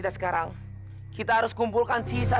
segaraku sudah siap